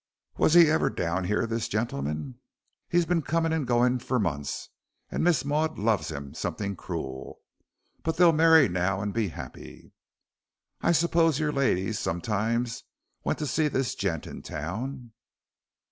"Was he ever down here, this gentleman?" "He's been comin' and goin' fur months, and Miss Maud loves 'im somethin' cruel. But they'll marry now an' be 'appy." "I suppose your ladies sometimes went to see this gent in town?"